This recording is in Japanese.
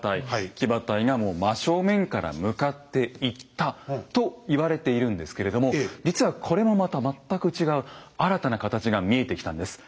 騎馬隊がもう真正面から向かっていったと言われているんですけれども実はこれもまた全く違う新たな形が見えてきたんです。